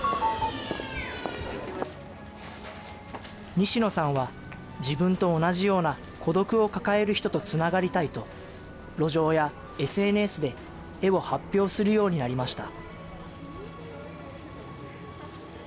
西野さんは、自分と同じような孤独を抱える人とつながりたいと、路上やＳＮＳで絵を発表するようになりました。